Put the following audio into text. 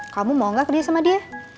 kamu mau gak kerja sama dia